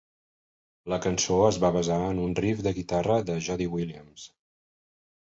La cançó es va basar en un riff de guitarra de Jody Williams.